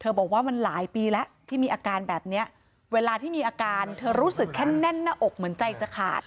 บอกว่ามันหลายปีแล้วที่มีอาการแบบนี้เวลาที่มีอาการเธอรู้สึกแค่แน่นหน้าอกเหมือนใจจะขาด